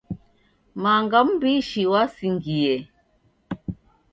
Manga mbishi wasingiye.